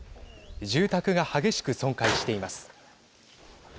住宅が激しく損壊しています。